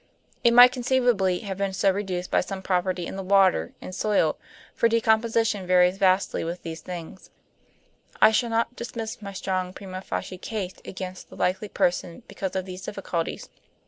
It might conceivably have been so reduced by some property in the water and soil, for decomposition varies vastly with these things. I should not dismiss my strong prima facie case against the likely person because of these difficulties.